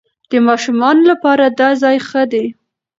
د ماشومانو لپاره دا ځای ښه دی.